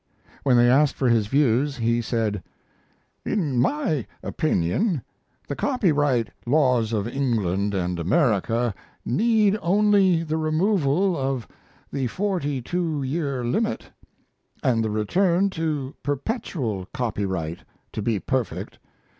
When they asked for his views he said: "In my opinion the copyright laws of England and America need only the removal of the forty two year limit and the return to perpetual copyright to be perfect.